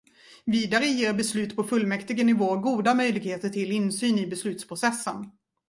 Vidare ger beslut på fullmäktigenivå goda möjligheter till insyn i beslutsprocessen.